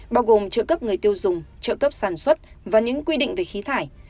bao gồm trợ cấp người tiêu dùng trợ cấp sản xuất và những quy định về khí thải